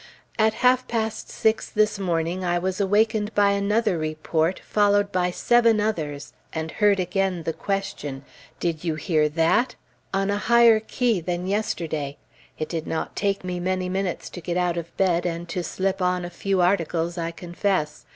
At half past six this morning I was wakened by another report, followed by seven others, and heard again the question, "Did you hear that?" on a higher key than yesterday. It did not take me many minutes to get out of bed, and to slip on a few articles, I confess.